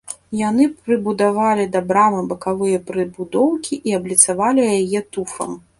Яны прыбудавалі да брамы бакавыя прыбудоўкі і абліцавалі яе туфам.